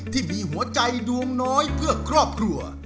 ที่มีหัวใจดวงน้อยเพื่อครอบครัว